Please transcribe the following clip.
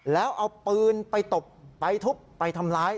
แล้วเอาปืนไปตบไปทุบไปทำร้าย